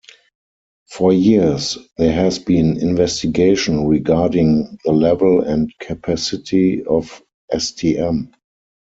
For years there has been investigation regarding thelevel and capacity of stm.